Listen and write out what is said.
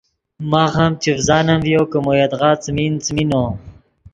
ماخ ام چڤزانم ڤیو کہ مو یدغا څیمین، څیمین نو